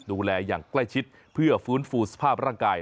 ดูแลอย่างใกล้ชิดเพื่อฟื้นฟูสภาพร่างกาย